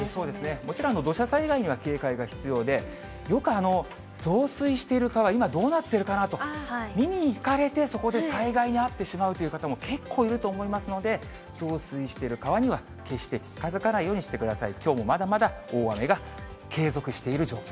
もちろん土砂災害には警戒が必要で、よく増水している川、今、どうなってるかなと見に行かれて、そこで災害に遭ってしまうという方も、結構いると思いますので、増水している川には決して近づかないようにしてください。